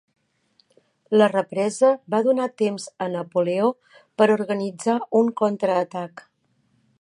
La represa va donar temps a Napoleó per organitzar un contraatac.